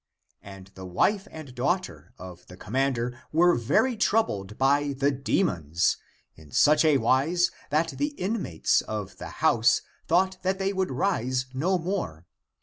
And the wife and daughter of the commander were very troubled by the demons, in such a wise that the inmates of the house thought that they would rise no more.